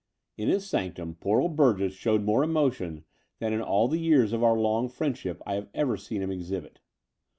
In his sanctum poor old Burgess showed more emotion than in all the years of our long friend ship I had ever seen him exhibit.